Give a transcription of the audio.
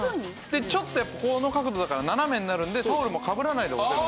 でちょっとやっぱこの角度だから斜めになるんでタオルもかぶらないで干せる。